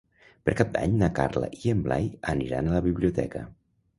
Per Cap d'Any na Carla i en Blai aniran a la biblioteca.